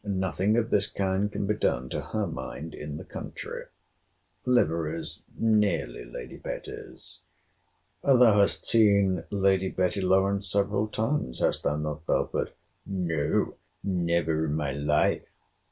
Nothing of this kind can be done to her mind in the country. Liveries nearly Lady Betty's. Thou hast seen Lady Betty Lawrance several times—hast thou not, Belford? No, never in my life.